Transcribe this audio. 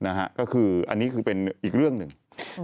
อันนี้คือเป็นอีกเรื่องหนึ่ง